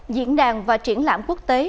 diễn đàn và triển lãm quốc tế